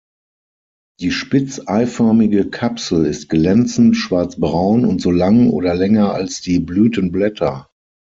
Die spitz-eiförmige Kapsel ist glänzend schwarz-braun und so lang oder länger als die Blütenblätter.